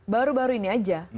baru baru ini aja